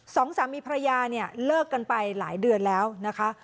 สองสามีภรรยาเนี่ยเลิกกันไปหลายเดือนแล้วนะคะ